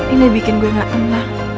ini bikin gue gak tenang